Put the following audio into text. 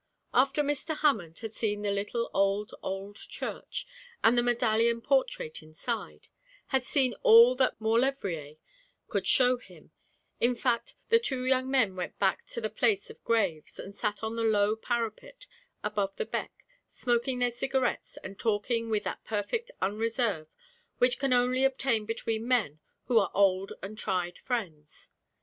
After Mr. Hammond had seen the little old, old church, and the medallion portrait inside, had seen all that Maulevrier could show him, in fact, the two young men went back to the place of graves, and sat on the low parapet above the beck, smoking their cigarettes, and talking with that perfect unreserve which can only obtain between men who are old and tried friends.